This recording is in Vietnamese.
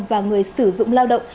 và người sử dụng lao động